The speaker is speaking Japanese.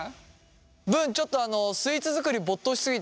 ぶんちょっとあのスイーツ作り没頭し過ぎてね